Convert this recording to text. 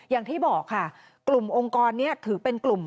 อย่างที่บอกค่ะกลุ่มองค์กรนี้ถือเป็นกลุ่ม